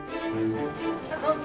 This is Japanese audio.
どうぞ。